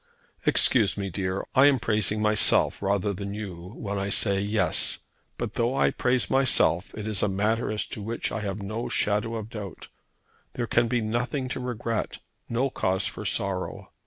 "Excuse me, dear. I am praising myself rather than you when I say, yes. But though I praise myself it is a matter as to which I have no shadow of doubt. There can be nothing to regret, no cause for sorrow.